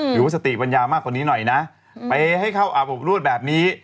หรือว่าสติปัญญามากกว่านี้หน่อยนะไปให้เข้าอาบอบนวดแบบนี้